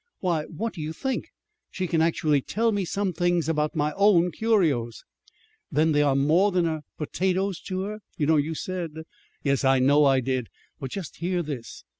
"Why, what do you think? She can actually tell me some things about my own curios!" "Then they are more than er potatoes to her? You know you said " "Yes, I know I did. But just hear this.